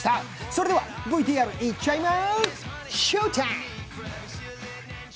それではＶＴＲ行っちゃいま